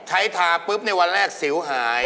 ทาปุ๊บในวันแรกสิวหาย